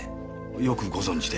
よくご存じで。